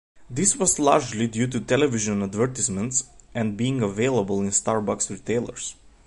This was largely due to television advertisements and being available in Starbucks retailers.